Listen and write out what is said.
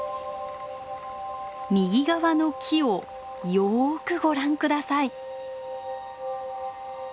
右側の木をよくご覧ください。